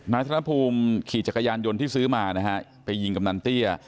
ธนภูมิขี่จักรยานยนต์ที่ซื้อมานะฮะไปยิงกำนันเตี้ย